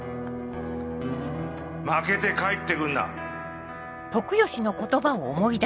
負けて帰ってくんな！